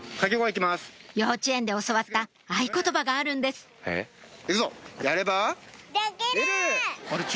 幼稚園で教わった合言葉があるんです行くぞ！